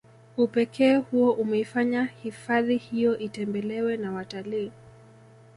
Upekee huo umeifanya hifahdi hiyo itembelewe na watalii